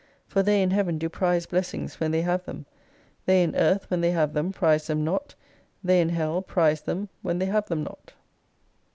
For they in Heaven do prize blessings when they have them. They in Earth when they have them prize them not, they in Hell prize them when they have them not.